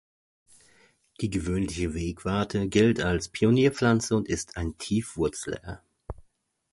Die Gewöhnliche Wegwarte gilt als eine Pionierpflanze und ist ein Tiefwurzler.